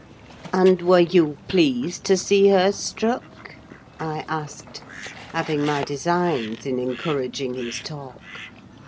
"And were you pleased to see her struck?" I asked: having my designs in encouraging his talk.